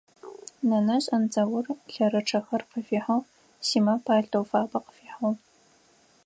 Нэнэжъ Андзаур лъэрычъэхэр къыфихьыгъ, Симэ палътэу фабэ къыфихьыгъ.